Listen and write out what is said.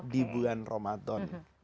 di bulan ramadan